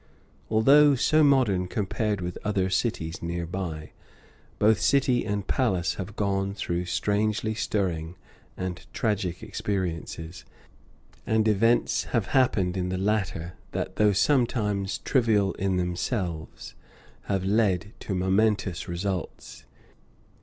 Although so modern compared with other cities near by, both city and palace have gone through strangely stirring and tragic experiences, and events have happened in the latter that, although sometimes trivial in themselves, have led to momentous results.